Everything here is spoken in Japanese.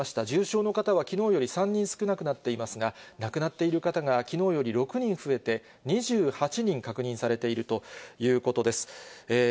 重症の方はきのうより３人少なくなっていますが、亡くなっている方がきのうより６人増えて、２８人確認されているということです。